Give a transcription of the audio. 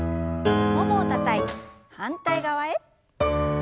ももをたたいて反対側へ。